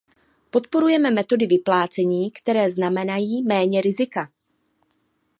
Podporujeme metody vyplácení, které znamenají méně rizika.